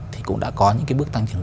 thì cũng đã có những bước tăng trưởng